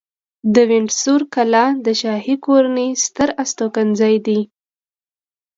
وینډسور کلا د شاهي کورنۍ ستر استوګنځی دی.